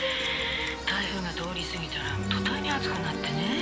「台風が通り過ぎたら途端に暑くなってね」